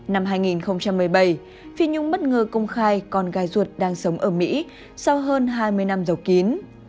năm hai nghìn một mươi bảy phi nhung bất ngờ công khai con gái ruột đang sống ở mỹ sau hơn hai mươi năm dầu kín